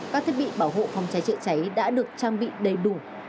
các thiết bị bảo hộ phòng trái trị trái đã được trang bị đầy đủ